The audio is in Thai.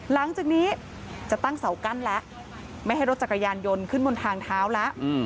หลังจากนี้จะตั้งเสากั้นแล้วไม่ให้รถจักรยานยนต์ขึ้นบนทางเท้าแล้ว